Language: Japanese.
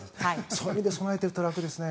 そういう意味で備えていると楽ですね。